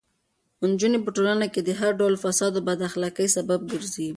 نجونې په ټولنه کې د هر ډول فساد او بد اخلاقۍ سبب ګرځي.